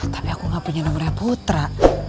tapi aku gak punya nomornya putra